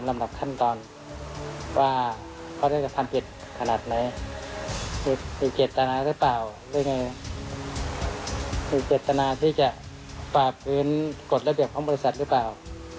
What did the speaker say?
มาที่จะปราบคืนกฎระเบียบของบริษัทหรือเปล่า